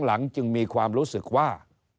หลังจึงมีความรู้สึกว่า